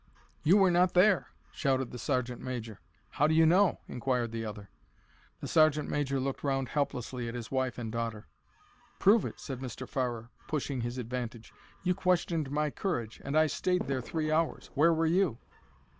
"You were not there," shouted the sergeant major. "How do you know?" inquired the other. The sergeant major looked round helplessly at his wife and daughter. "Prove it," said Mr. Farrer, pushing his advantage. "You questioned my courage, and I stayed there three hours. Where were you?"